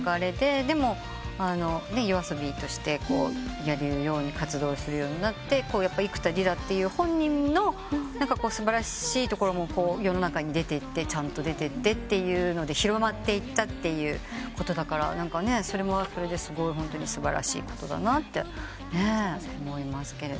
でもＹＯＡＳＯＢＩとして活動するようになって幾田りらという本人の素晴らしいところも世の中にちゃんと出てってというので広まっていったということだからそれもそれでホントに素晴らしいことだなと思います。